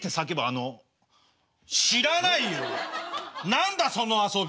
何だその遊び！？